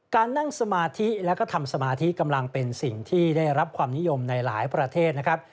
การนั่งสมาธิแล้วก็ทำสมาธิกำลังเป็นสิ่งที่ได้รับความนิยมในหลายประเทศนะครับ